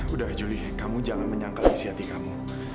udah juli kamu jangan menyangkal isi hati kamu